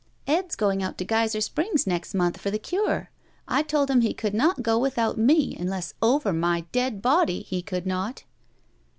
"Ed's going out to Geyser Springs next month for the cure. I told him he could not go without me unless over my dead body, he could not."